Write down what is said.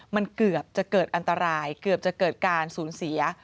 มันเกือบจะเกิดอันตรายเกือบจะเกิดการสูญเสีย